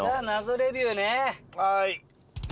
はい。